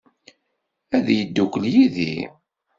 Ad yeddukel yid-i?